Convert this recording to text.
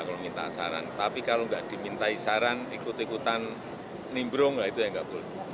kalau minta saran tapi kalau enggak dimintai saran ikut ikutan nimbrung itu enggak boleh